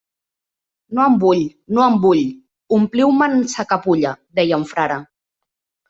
No en vull, no en vull... ompliu-me'n sa capulla... deia un frare.